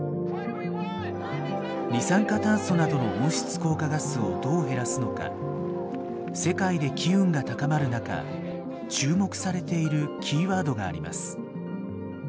二酸化炭素などの温室効果ガスをどう減らすのか世界で機運が高まる中注目されているキーワードがあります。